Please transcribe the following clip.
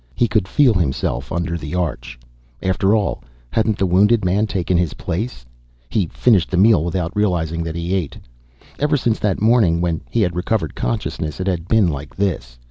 He could feel himself under the arch. After all, hadn't the wounded man taken his place? He finished the meal without realizing that he ate. Ever since that morning, when he had recovered consciousness, it had been like this.